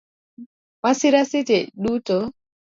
Masira seche duto